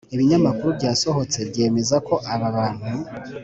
ibinyamakuru byasohotse byemeza ko aba bantu